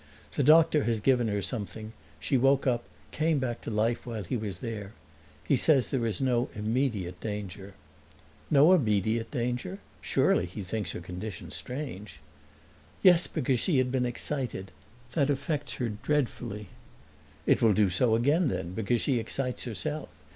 "The doctor has given her something; she woke up, came back to life while he was there. He says there is no immediate danger." "No immediate danger? Surely he thinks her condition strange!" "Yes, because she had been excited. That affects her dreadfully." "It will do so again then, because she excites herself.